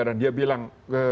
dan dia bilang